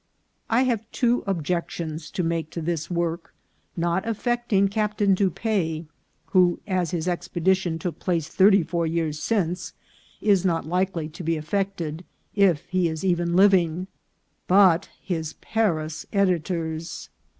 I have two objections to make to this work, not affect ing Captain Dupaix, who, as his expedition took place thirty four years since, is not likely to be affected, if he is even living, but his Paris editors.